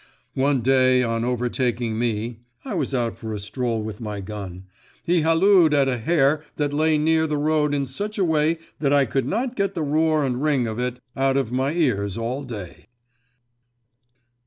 One day on overtaking me (I was out for a stroll with my gun), he hallooed at a hare that lay near the road in such a way that I could not get the roar and ring of it out of my ears all day.